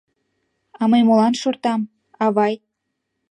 А мый молан шортам, авай?